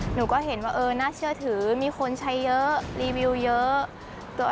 หนูก็เห็นว่าเออน่าเชื่อถือมีคนใช้เยอะรีวิวเยอะ